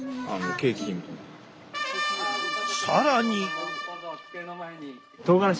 更に。